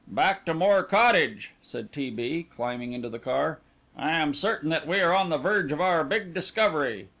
"Back to Moor Cottage," said T. B., climbing into the car. "I am certain that we are on the verge of our big discovery.